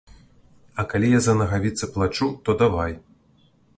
А калі я за нагавіцы плачу, то давай.